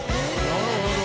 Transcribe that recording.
なるほど。